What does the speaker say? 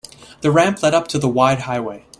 The ramp led up to the wide highway.